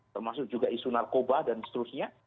termasuk juga isu narkoba dan seterusnya